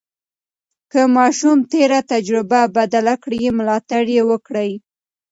که ماشوم تېره تجربه بدله کړه، ملاتړ یې وکړئ.